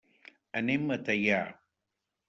Anem a Teià.